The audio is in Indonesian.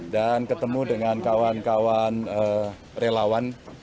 dan ketemu dengan kawan kawan relawan